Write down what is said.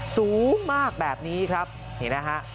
สูงมากแบบนี้ครับนี่นะฮะ